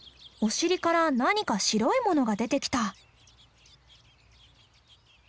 お尻から何か白いものが出てきた。